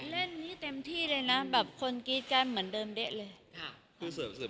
เร่งนี้เต็มที่เลยนะคนกรีตกันเหมือนเดิมเร็กเลย